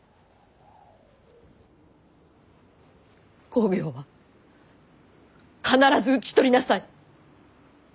公暁は必ず討ち取りなさい。